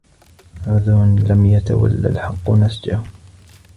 عذر لم يتول الحق نسجه